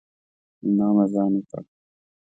امام اذان وکړ